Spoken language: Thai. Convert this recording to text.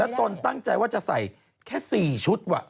ตนตั้งใจว่าจะใส่แค่๔ชุดว่ะ